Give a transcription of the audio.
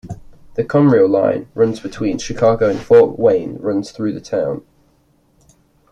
The Conrail line between Chicago and Fort Wayne runs through the town.